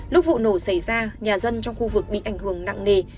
lúc vụ nổ xảy ra nhà dân trong khu vực bị ảnh hưởng nặng nề